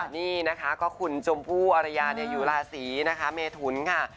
นี่นะคะก็คุณชมพู่อรยาอยู่ราศีนะคะเมทุนค่ะ